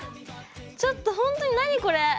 ちょっとほんとに何これ！